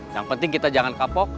yang penting kita jangan kapok